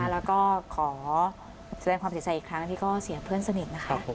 แล้วก็ขอแสดงความเสียใจอีกครั้งที่ก็เสียเพื่อนสนิทนะคะ